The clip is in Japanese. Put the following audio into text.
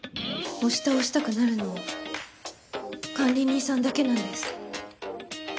押し倒したくなるのは管理人さんだけなんです。